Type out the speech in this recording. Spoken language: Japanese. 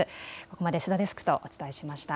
ここまで須田デスクとお伝えしました。